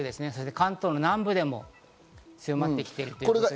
関東の南部でも強まってきています。